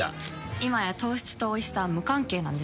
今や糖質とおいしさは無関係なんです。